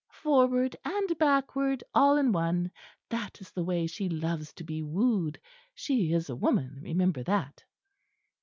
Forward and backward all in one; that is the way she loves to be wooed. She is a woman, remember that."